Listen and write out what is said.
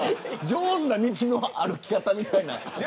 上手な道の歩き方みたいな。